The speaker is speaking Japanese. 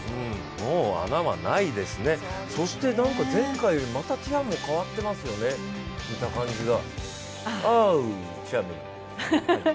もう穴はないですね、そして前回よりもまたティアム変わってますよね、見た感じが。